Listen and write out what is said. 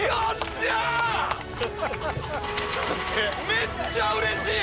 めっちゃうれしい！